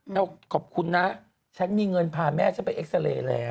แล้วขอบคุณนะฉันมีเงินพาแม่ฉันไปเอ็กซาเรย์แล้ว